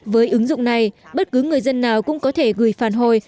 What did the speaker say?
với ứng dụng này bất cứ người dân nào cũng có thể gửi phản hồi